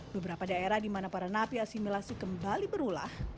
beberapa daerah di mana para napi asimilasi kembali berulah